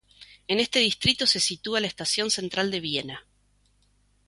En este distrito se sitúa la Estación central de Viena.